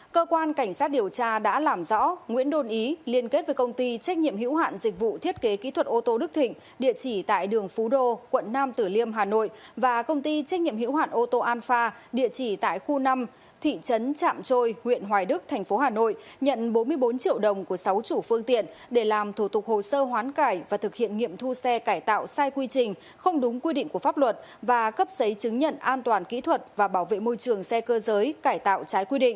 cơ quan cảnh sát điều tra đã làm rõ nguyễn đôn ý liên kết với công ty trách nhiệm hữu hạn dịch vụ thiết kế kỹ thuật ô tô đức thịnh địa chỉ tại đường phú đô quận năm tử liêm hà nội và công ty trách nhiệm hữu hạn ô tô an pha địa chỉ tại khu năm thị trấn trạm trôi huyện hoài đức thành phố hà nội nhận bốn mươi bốn triệu đồng của sáu chủ phương tiện để làm thủ tục hồ sơ hoán cải và thực hiện nghiệm thu xe cải tạo sai quy trình không đúng quy định của pháp luật và cấp giấy chứng nhận an toàn kỹ thuật và bảo vệ môi trường xe c